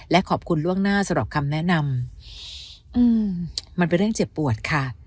และขอบคุณล่วงหน้าสำหรับคำแนะนำมันเป็นเรื่องเจ็บปวดค่ะ